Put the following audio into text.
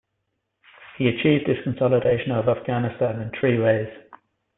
He achieved this consolidation of Afghanistan in three ways.